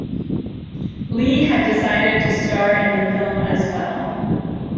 Leigh had decided to star in the film as well.